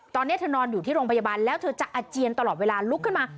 ตอนนี้เธอนอนอยู่ที่โรงพยาบาลแล้วเธอจะอาเจียนตลอดเวลาลุกขึ้นมา